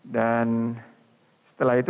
dan setelah itu